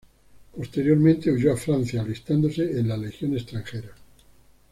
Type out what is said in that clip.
Posteriormente huyó a Francia, alistándose en la legión extranjera.